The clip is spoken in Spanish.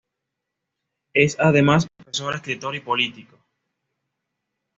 Es además, profesor, escritor y político.